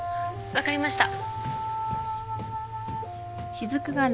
分かりました。